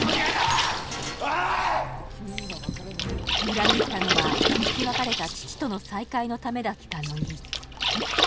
裏切ったのは生き別れた父との再会のためだった乃木